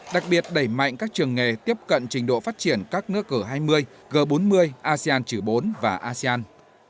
đặc biệt đẩy mạnh các trường nghề tiếp cận trình độ phát triển các nước g hai mươi g bốn mươi asean chử bốn và asean